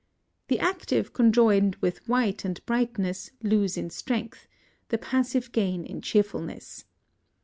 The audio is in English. The active conjoined with white and brightness lose in strength, the passive gain in cheerfulness.